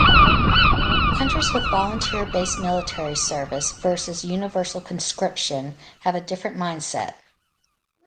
Countries with volunteer-based military service versus universal conscription have a different mindset.